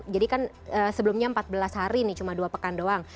jadi kan sebelumnya empat belas hari nih cuma dua pekan doang